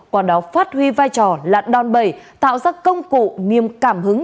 qua đó phát huy vai trò lạn đòn bầy tạo ra công cụ nghiêm cảm hứng